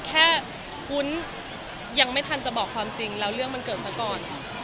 วุ้นยังไม่ทันจะบอกความจริงแล้วเรื่องมันเกิดซะก่อน